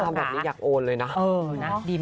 ถึงภาพแบบนี้อยากโอนเลยนะดีไหม